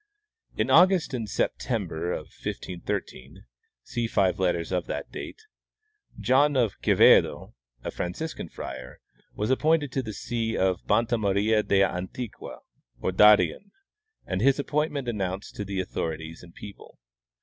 " In August and September, 1513 (see five letters of that date), John of Quevedo, a Franciscan friar, was appointed to the see of Banta Maria del Antiqua, or Darien, and his appointment announced to the authorities and people.